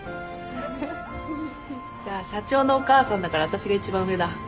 じゃあ社長のお母さんだから私が一番上だ。